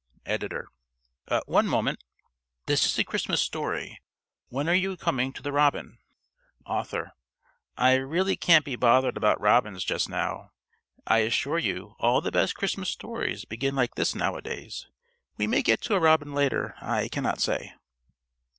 (~Editor.~ One moment. This is a Christmas story. When are you coming to the robin? ~Author.~ _I really can't be bothered about robins just now. I assure you all the best Christmas stories begin like this nowadays. We may get to a robin later; I cannot say.